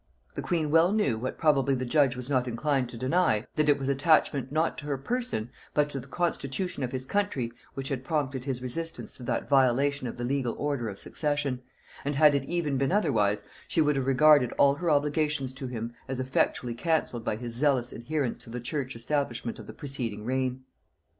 The queen well knew, what probably the judge was not inclined to deny, that it was attachment, not to her person, but to the constitution of his country, which had prompted his resistance to that violation of the legal order of succession; and had it even been otherwise, she would have regarded all her obligations to him as effectually cancelled by his zealous adherence to the church establishment of the preceding reign.